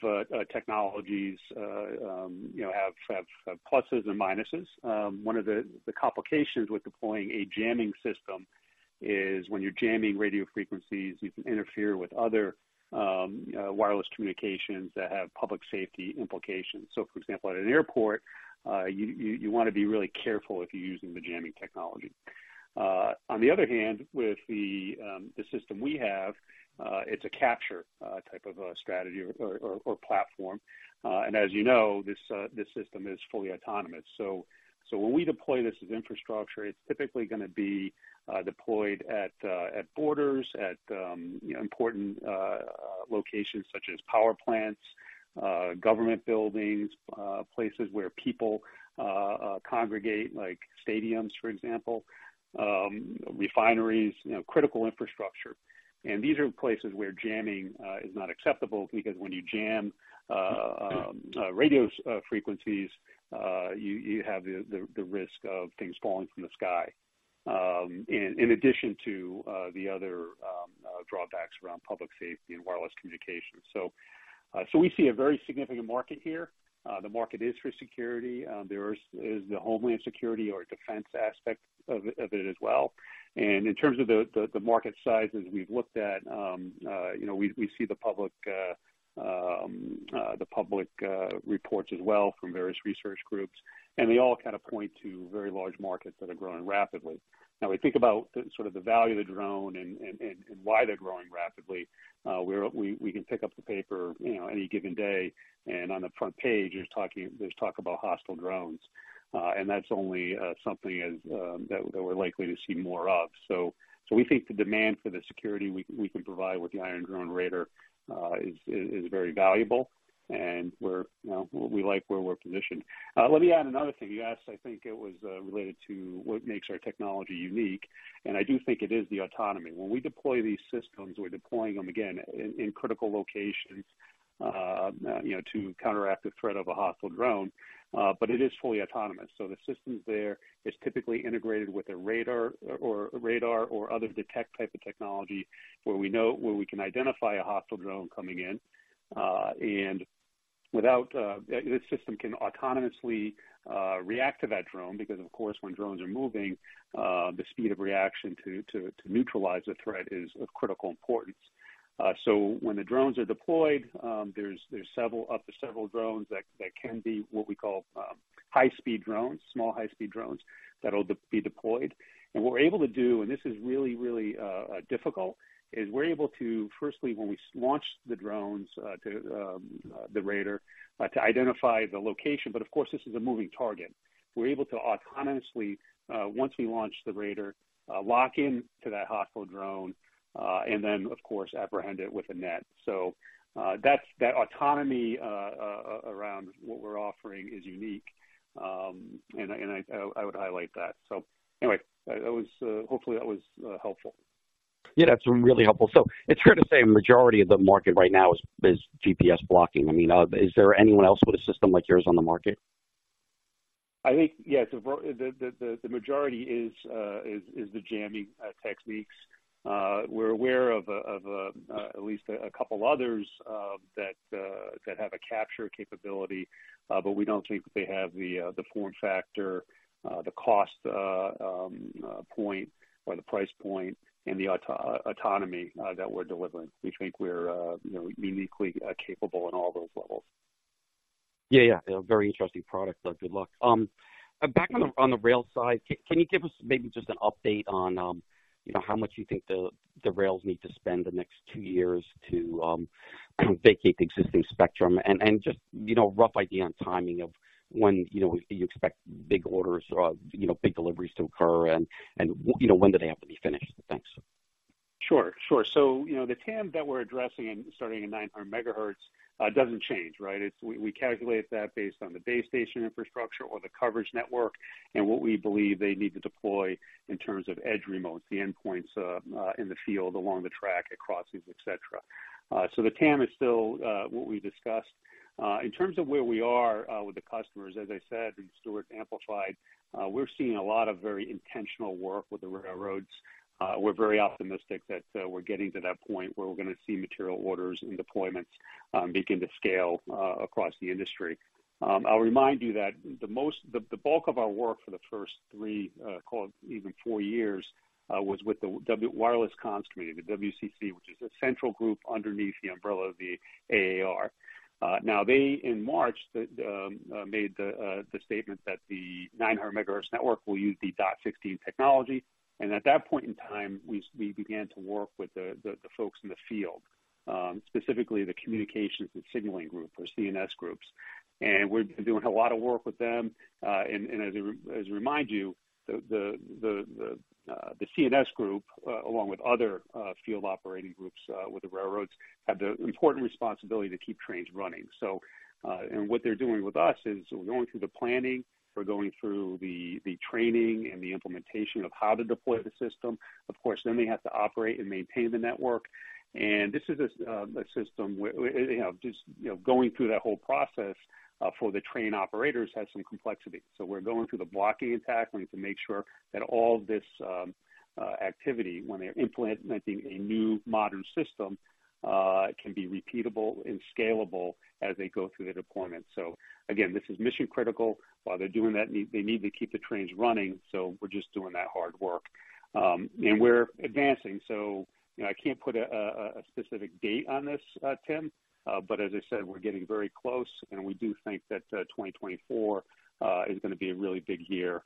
technologies, you know, have pluses and minuses. One of the complications with deploying a jamming system is when you're jamming radio frequencies, you can interfere with other wireless communications that have public safety implications. So for example, at an airport, you want to be really careful if you're using the jamming technology. On the other hand, with the system we have, it's a capture type of strategy or platform. And as you know, this system is fully autonomous. So when we deploy this as infrastructure, it's typically going to be deployed at borders, at important locations such as power plants, government buildings, places where people congregate, like stadiums, for example, refineries, you know, critical infrastructure. And these are places where jamming is not acceptable, because when you jam radio frequencies, you have the risk of things falling from the sky, in addition to the other drawbacks around public safety and wireless communications. So we see a very significant market here. The market is for security. There is the homeland security or defense aspect of it as well. In terms of the market size, as we've looked at, you know, we see the public reports as well from various research groups, and they all kind of point to very large markets that are growing rapidly. Now, we think about sort of the value of the drone and why they're growing rapidly. We can pick up the paper, you know, any given day, and on the front page, there's talk about hostile drones. That's only something that we're likely to see more of. So we think the demand for the security we can provide with the Iron Drone Raider is very valuable, and we're, you know, we like where we're positioned. Let me add another thing. You asked, I think it was, related to what makes our technology unique, and I do think it is the autonomy. When we deploy these systems, we're deploying them, again, in critical locations, you know, to counteract the threat of a hostile drone, but it is fully autonomous. So the system's there. It's typically integrated with a radar or other detect type of technology, where we can identify a hostile drone coming in. And without this system can autonomously react to that drone, because, of course, when drones are moving, the speed of reaction to neutralize the threat is of critical importance. So when the drones are deployed, there's several, up to several drones that can be what we call high-speed drones, small, high-speed drones that'll be deployed. And we're able to do, and this is really difficult, we're able to, firstly, when we launch the drones, to the radar to identify the location. But of course, this is a moving target. We're able to autonomously, once we launch the radar, lock in to that hostile drone, and then, of course, apprehend it with a net. That's that autonomy around what we're offering is unique. And I would highlight that. So anyway, that was hopefully helpful. Yeah, that's really helpful. So it's fair to say a majority of the market right now is GPS blocking. I mean, is there anyone else with a system like yours on the market? I think, yes, the majority is the jamming techniques. We're aware of at least a couple others that have a capture capability, but we don't think that they have the form factor, the cost point or the price point, and the autonomy that we're delivering. We think we're, you know, uniquely capable on all those levels. Yeah. Yeah. A very interesting product. So good luck. Back on the rail side, can you give us maybe just an update on, you know, how much you think the rails need to spend the next two years to vacate the existing spectrum? And just, you know, a rough idea on timing of when, you know, you expect big orders or, you know, big deliveries to occur and, you know, when do they have to be finished? Thanks. Sure, sure. So, you know, the TAM that we're addressing and starting at 900 megahertz doesn't change, right? It's. We calculate that based on the base station infrastructure or the coverage network and what we believe they need to deploy in terms of edge remotes, the endpoints, in the field, along the track, at crossings, et cetera. So the TAM is still what we discussed. In terms of where we are with the customers, as I said, and Stewart amplified, we're seeing a lot of very intentional work with the railroads. We're very optimistic that we're getting to that point where we're gonna see material orders and deployments begin to scale across the industry. I'll remind you that the bulk of our work for the first 3, call it even 4 years, was with the Wireless Committee, the WCC, which is a central group underneath the umbrella of the AAR. Now they, in March, made the statement that the 900 megahertz network will use the dot sixteen technology, and at that point in time, we began to work with the folks in the field, specifically the communications and signaling group, or C&S groups. We've been doing a lot of work with them. As I remind you, the C&S group, along with other field operating groups with the railroads, have the important responsibility to keep trains running. So, and what they're doing with us is we're going through the planning, we're going through the training and the implementation of how to deploy the system. Of course, then they have to operate and maintain the network. And this is a system where, you know, just, you know, going through that whole process for the train operators has some complexity. So we're going through the blocking and tackling to make sure that all this activity, when they're implementing a new modern system, can be repeatable and scalable as they go through the deployment. So again, this is mission critical. While they're doing that, they need to keep the trains running, so we're just doing that hard work. And we're advancing. So, you know, I can't put a specific date on this, Tim, but as I said, we're getting very close, and we do think that 2024 is gonna be a really big year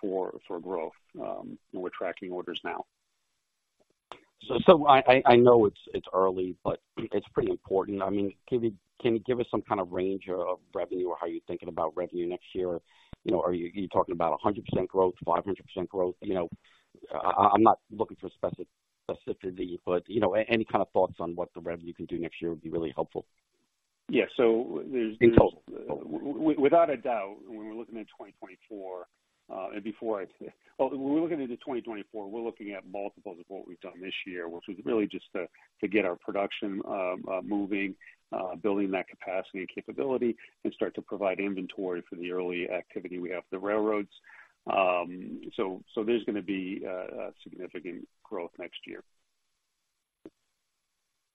for growth. And we're tracking orders now. So I know it's early, but it's pretty important. I mean, can you give us some kind of range of revenue or how you're thinking about revenue next year? You know, are you talking about 100% growth, 500% growth? You know, I'm not looking for specific specificity, but you know, any kind of thoughts on what the revenue can do next year would be really helpful. Yeah. So there's- In total. Without a doubt, when we're looking into 2024, we're looking at multiples of what we've done this year, which was really just to get our production moving, building that capacity and capability, and start to provide inventory for the early activity we have with the railroads. So, there's gonna be a significant growth next year.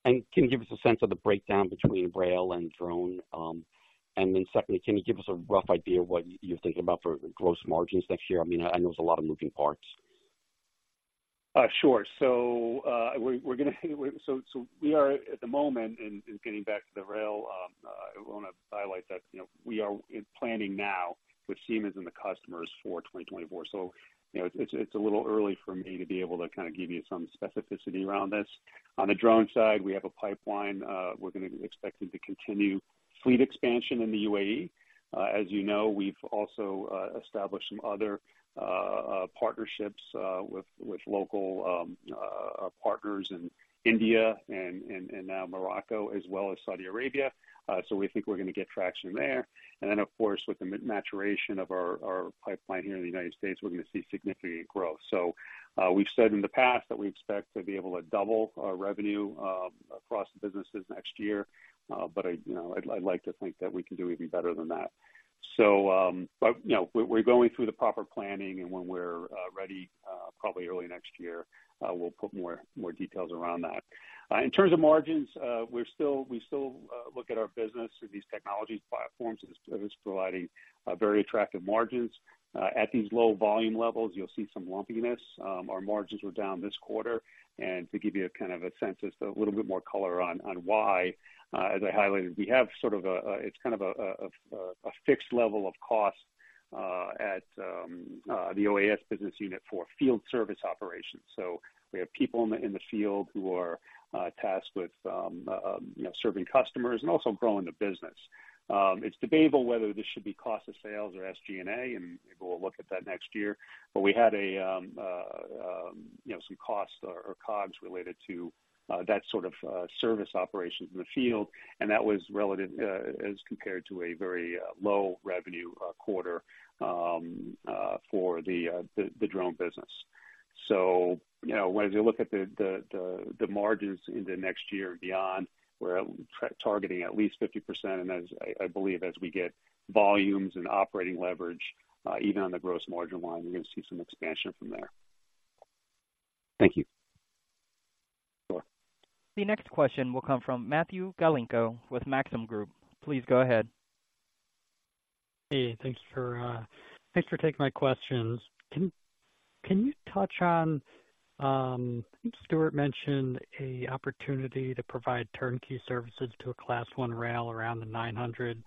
Can you give us a sense of the breakdown between rail and drone? And then secondly, can you give us a rough idea of what you're thinking about for gross margins next year? I mean, I know there's a lot of moving parts. Sure. So, we're gonna, so we are at the moment, in getting back to the rail, I wanna highlight that, you know, we are planning now with Siemens and the customers for 2024. So, you know, it's a little early for me to be able to kinda give you some specificity around this. On the drone side, we have a pipeline. We're gonna be expecting to continue fleet expansion in the UAE. As you know, we've also established some other partnerships with local partners in India and now Morocco, as well as Saudi Arabia. So we think we're gonna get traction there. And then, of course, with the maturation of our pipeline here in the United States, we're gonna see significant growth. So, we've said in the past that we expect to be able to double our revenue across the businesses next year. But I, you know, I'd like to think that we can do even better than that. So, but, you know, we're going through the proper planning, and when we're ready, probably early next year, we'll put more details around that. In terms of margins, we're still we still look at our business through these technology platforms as providing very attractive margins. At these low volume levels, you'll see some lumpiness. Our margins were down this quarter, and to give you a kind of a sense, just a little bit more color on why, as I highlighted, we have sort of a, it's kind of a fixed level of cost at the OAS business unit for field service operations. So we have people in the field who are tasked with you know, serving customers and also growing the business. It's debatable whether this should be cost of sales or SG&A, and maybe we'll look at that next year. But we had a you know, some costs or COGS related to that sort of service operations in the field, and that was relative as compared to a very low revenue quarter for the drone business. So, you know, as you look at the margins in the next year and beyond, we're targeting at least 50%. And as I believe, as we get volumes and operating leverage, even on the gross margin line, we're going to see some expansion from there. Thank you. Sure. The next question will come from Matthew Galinko with Maxim Group. Please go ahead. Hey, thanks for taking my questions. Can you touch on, I think Stewart mentioned an opportunity to provide turnkey services to a Class One rail around the 900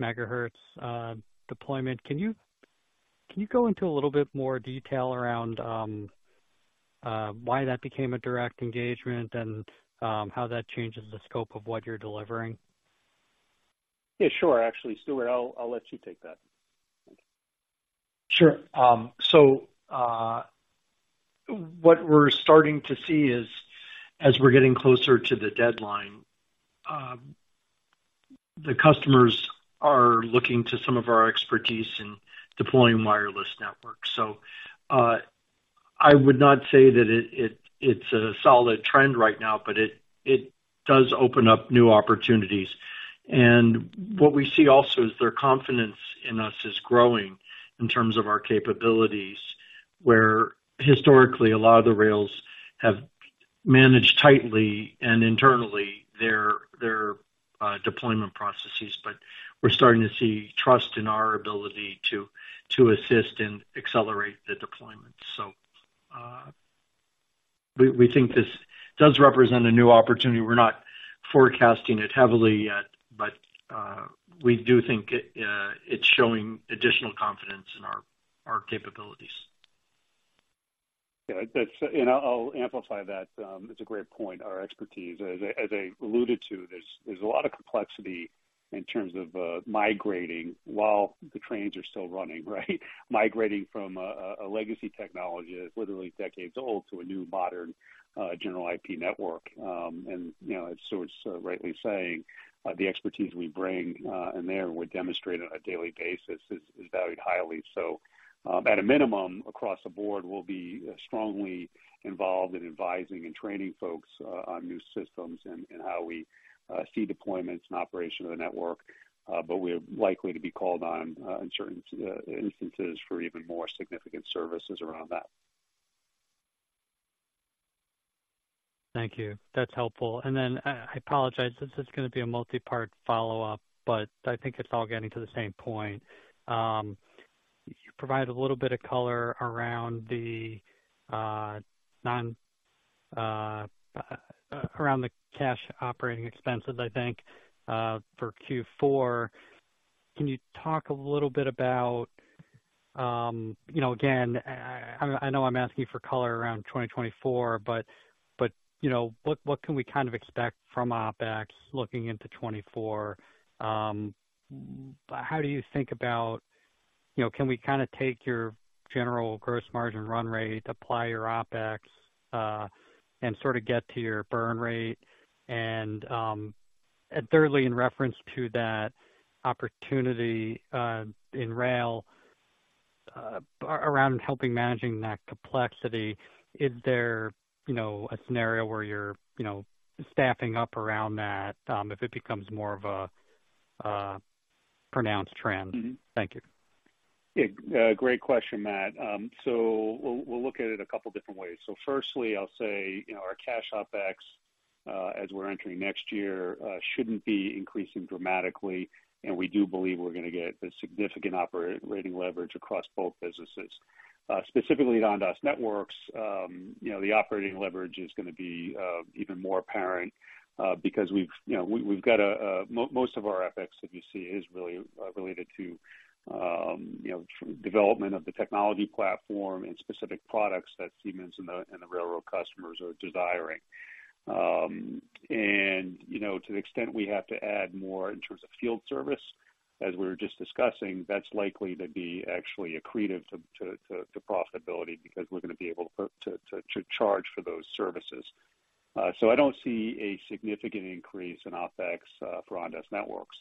megahertz deployment. Can you go into a little bit more detail around why that became a direct engagement and how that changes the scope of what you're delivering? Yeah, sure. Actually, Stewart, I'll, I'll let you take that. Sure. So, what we're starting to see is, as we're getting closer to the deadline, the customers are looking to some of our expertise in deploying wireless networks. So, I would not say that it is a solid trend right now, but it does open up new opportunities. And what we see also is their confidence in us is growing in terms of our capabilities, where historically, a lot of the rails have managed tightly and internally their deployment processes. But we're starting to see trust in our ability to assist and accelerate the deployment. So, we think this does represent a new opportunity. We're not forecasting it heavily yet, but, we do think it is showing additional confidence in our capabilities. Yeah, that's. And I'll amplify that. It's a great point. Our expertise, as I alluded to, there's a lot of complexity in terms of migrating while the trains are still running, right? Migrating from a legacy technology that's literally decades old to a new modern general IP network. And, you know, as Stewart's rightly saying, the expertise we bring in there and we demonstrate on a daily basis is valued highly. So, at a minimum, across the board, we'll be strongly involved in advising and training folks on new systems and how we see deployments and operation of the network. But we're likely to be called on in certain instances for even more significant services around that. Thank you. That's helpful. And then, I apologize, this is gonna be a multi-part follow-up, but I think it's all getting to the same point. You provided a little bit of color around the non-cash operating expenses, I think, for Q4. Can you talk a little bit about, you know, again, I know I'm asking you for color around 2024, but, you know, what can we kind of expect from OpEx looking into 2024? How do you think about, you know, can we kinda take your general gross margin run rate, apply your OpEx, and sort of get to your burn rate? And thirdly, in reference to that opportunity in rail around helping managing that complexity, is there, you know, a scenario where you're, you know, staffing up around that, if it becomes more of a pronounced trend? Mm-hmm. Thank you. Yeah, great question, Matt. So we'll look at it a couple different ways. So firstly, I'll say, you know, our cash OpEx, as we're entering next year, shouldn't be increasing dramatically, and we do believe we're gonna get a significant operating leverage across both businesses. Specifically on Ondas Networks, you know, the operating leverage is gonna be even more apparent, because we've got most of our OpEx that you see is really related to, you know, development of the technology platform and specific products that Siemens and the railroad customers are desiring. And, you know, to the extent we have to add more in terms of field service, as we were just discussing, that's likely to be actually accretive to profitability, because we're gonna be able to charge for those services. So I don't see a significant increase in OpEx for Ondas Networks.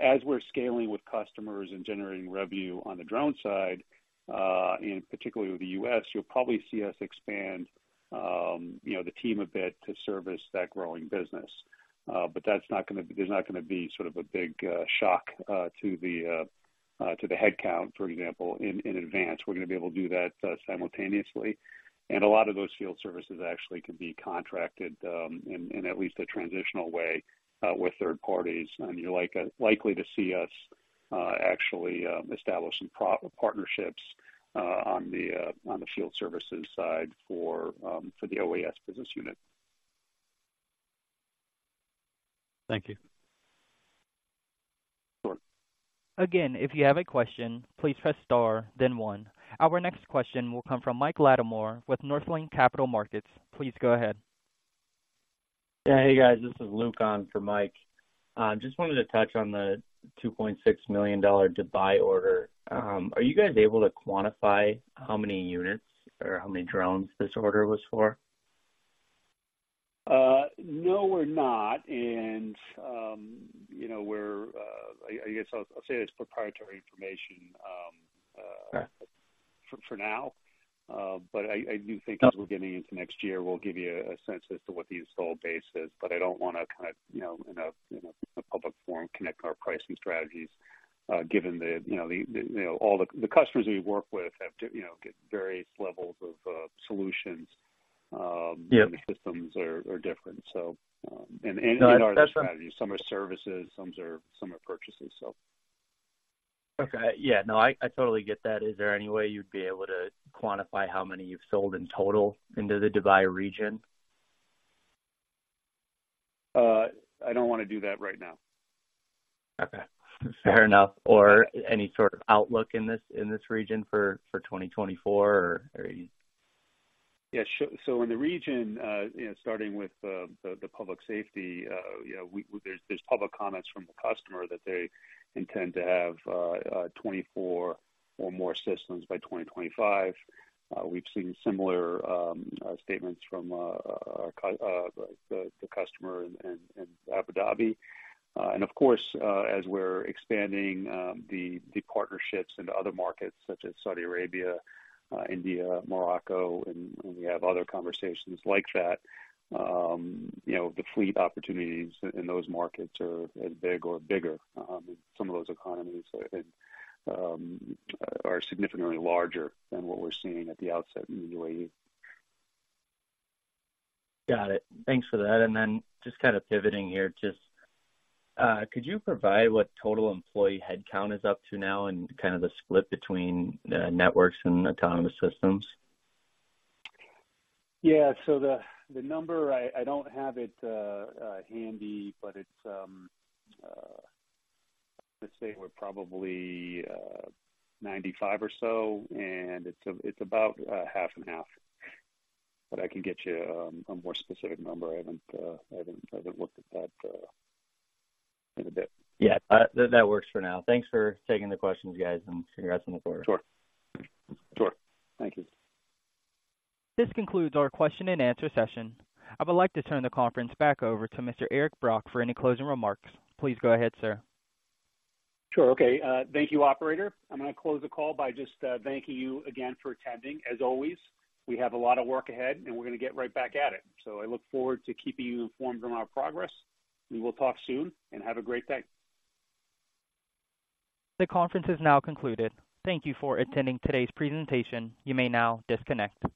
As we're scaling with customers and generating revenue on the drone side, and particularly with the U.S., you'll probably see us expand, you know, the team a bit to service that growing business. But that's not gonna be – there's not gonna be sort of a big shock to the headcount, for example, in advance. We're gonna be able to do that simultaneously. A lot of those field services actually can be contracted in at least a transitional way with third parties. You're likely to see us actually establish some partnerships on the field services side for the OAS business unit. Thank you. Sure. Again, if you have a question, please press star, then one. Our next question will come from Mike Latimore with Northland Capital Markets. Please go ahead. Yeah. Hey, guys, this is Luke on for Mike. Just wanted to touch on the $2.6 million Dubai order. Are you guys able to quantify how many units or how many drones this order was for? No, we're not. You know, I guess I'll say it's proprietary information... Okay. For now. But I do think as we're getting into next year, we'll give you a sense as to what the install base is. But I don't wanna kind of, you know, in a public forum, connect our pricing strategies, given the, you know, all the customers we work with have to, you know, get various levels of solutions. Yeah. And the systems are different. So, and our strategies, some are services, some are purchases, so. Okay. Yeah, no, I, I totally get that. Is there any way you'd be able to quantify how many you've sold in total into the Dubai region? I don't wanna do that right now. Okay, fair enough. Or any sort of outlook in this region for 2024, or are you- Yeah, sure. So in the region, you know, starting with the public safety, you know, there's public comments from the customer that they intend to have 24 or more systems by 2025. We've seen similar statements from the customer in Abu Dhabi. And of course, as we're expanding the partnerships into other markets such as Saudi Arabia, India, Morocco, and we have other conversations like that, you know, the fleet opportunities in those markets are as big or bigger. Some of those economies are significantly larger than what we're seeing at the outset in the UAE. Got it. Thanks for that. And then just kind of pivoting here, just, could you provide what total employee headcount is up to now and kind of the split between the networks and autonomous systems? Yeah. So the number, I don't have it handy, but it's, let's say we're probably 95 or so, and it's about 50/50. But I can get you a more specific number. I haven't looked at that in a bit. Yeah. That works for now. Thanks for taking the questions, guys, and congrats on the quarter. Sure. Sure. Thank you. This concludes our question and answer session. I would like to turn the conference back over to Mr. Eric Brock for any closing remarks. Please go ahead, sir. Sure. Okay. Thank you, operator. I'm gonna close the call by just thanking you again for attending. As always, we have a lot of work ahead, and we're gonna get right back at it. So I look forward to keeping you informed on our progress. We will talk soon, and have a great day. The conference is now concluded. Thank you for attending today's presentation. You may now disconnect.